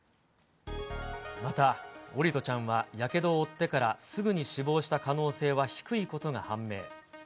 また、桜利斗ちゃんはやけどを負ってから、すぐに死亡した可能性は低いことが判明。